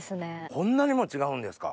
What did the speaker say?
こんなにも違うんですか？